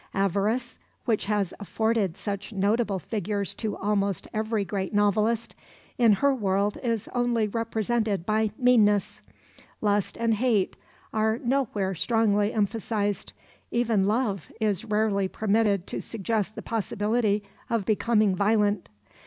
Avarice, which has afforded such notable figures to almost every great novelist, in her world is only represented by meanness; lust and hate are nowhere strongly emphasized, even love is rarely permitted to suggest the possibility of becoming violent.